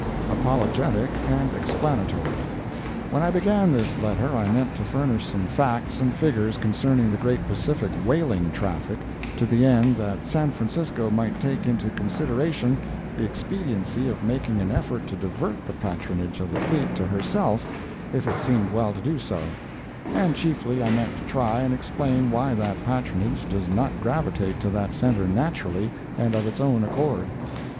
APOLOGETIC AND EXPLANATORY When I began this letter I meant to furnish some facts and figures concerning the great Pacific whaling traffic, to the end that San Francisco might take into consideration the expediency of making an effort to divert the patronage of the fleet to herself, if it seemed well to do so; and chiefly I meant to try and explain why that patronage does not gravitate to that center naturally and of its own accord.